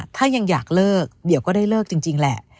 ถ้ายังอยากเลิกเดี๋ยวก็ได้เลิกจริงแหละ